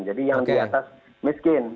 jadi yang diatas miskin